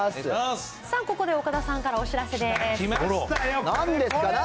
さあ、ここで岡田さんからお知らせです。